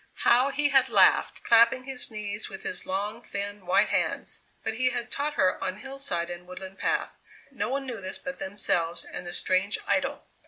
How he had laughed, clapping his knees with his long, thin, white hands! But he had taught her on hillside and woodland path. No one knew this but themselves and the strange idol!